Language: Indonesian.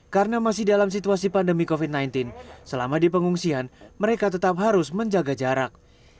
karena masih dalam situasi pandemi covid sembilan belas selama di pengungsian mereka tetap harus menjaga jarak